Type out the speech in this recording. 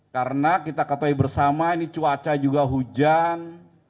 karena kita ketahui bersama ini cuaca juga hujan